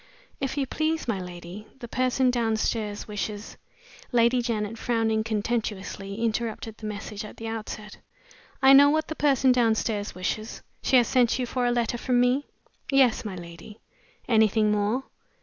"If you please, my lady, the person downstairs wishes " Lady Janet, frowning contemptuously, interrupted the message at the outset. "I know what the person downstairs wishes. She has sent you for a letter from me?" "Yes, my lady." "Anything more?"